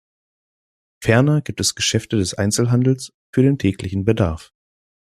Ferner gibt es Geschäfte des Einzelhandels für den täglichen Bedarf.